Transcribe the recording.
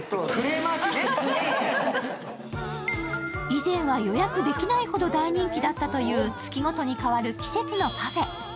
以前は予約できないほど大人気だったという、月ごとに変わる季節のパフェ。